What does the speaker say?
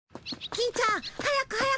金ちゃん早く早く！